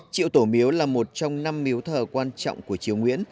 triệu tổ miếu là một trong năm miếu thờ quan trọng của triều nguyễn